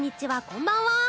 こんばんは。